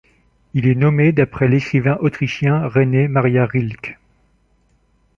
Il est nommé d'après l'écrivain autrichien Rainer Maria Rilke.